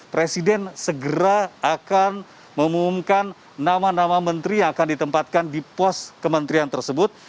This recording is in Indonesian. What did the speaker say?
presiden segera akan mengumumkan nama nama menteri yang akan ditempatkan di pos kementerian tersebut